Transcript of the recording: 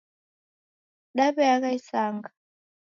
Daweagha isanga